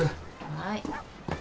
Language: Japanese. はい。